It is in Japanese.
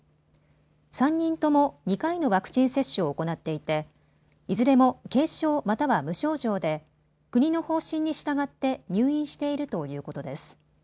３人とも２回のワクチン接種を行っていていずれも軽症または無症状で国の方針に従って入院しているということです。